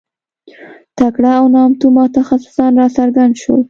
تکړه او نامتو متخصصان راڅرګند شول.